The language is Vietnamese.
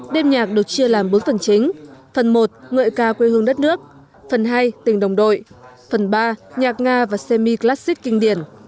đêm nhạc được chia làm bốn phần chính phần một ngợi ca quê hương đất nước phần hai tình đồng đội phần ba nhạc nga và semi classick kinh điển